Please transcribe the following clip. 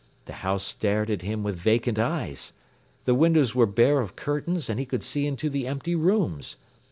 The house stared at him with vacant eyes. The windows were bare of curtains and he could see into the empty rooms.